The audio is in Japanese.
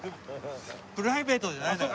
プライベートじゃないんだから。